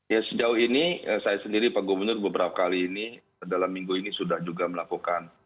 ya sejauh ini saya sendiri pak gubernur beberapa kali ini dalam minggu ini sudah juga melakukan